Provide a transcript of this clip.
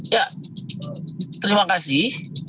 ya terima kasih